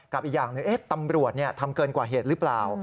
อีกอย่างหนึ่งตำรวจทำเกินกว่าเหตุหรือเปล่า